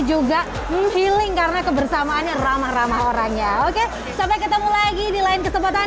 juga healing karena kebersamaannya ramah ramah orang ya oke sampai ketemu lagi di lain kesempatan